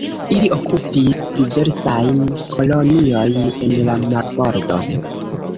Ili okupis diversajn koloniojn en la marbordo.